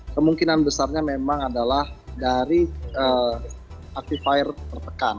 kemungkinan besarnya memang adalah dari aktif air tertekan